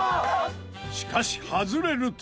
しかし外れると。